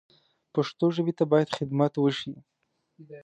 پښتو ژبې ته باید خدمت وشي